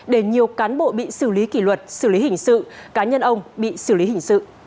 để nhiều cán bộ bị xử lý kỷ luật xử lý hình sự cá nhân ông bị xử lý hình sự